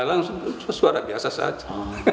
langsung suara biasa saja